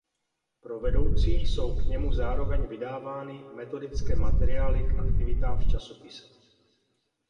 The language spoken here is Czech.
Pro vedoucí jsou k němu zároveň vydávány metodické materiály k aktivitám v časopise.